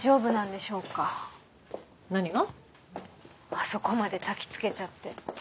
あそこまでたきつけちゃって。